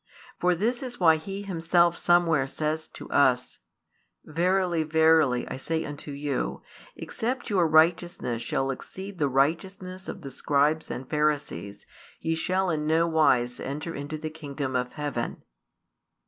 For this is why He Himself somewhere says to us: Verily, verily, I say unto you, Except your righteousness shall exceed the righteousness of the scribes and Pharisees, ye shall in no wise enter into the kingdom of heaven.